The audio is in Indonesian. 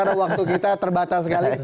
karena waktu kita terbatas sekali